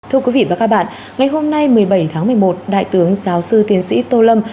thưa quý vị và các bạn ngày hôm nay một mươi bảy tháng một mươi một đại tướng giáo sư tiến sĩ tô lâm